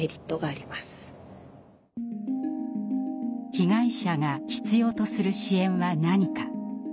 被害者が必要とする支援は何か。